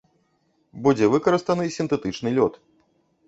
Будзе выкарыстаны сінтэтычны лёд.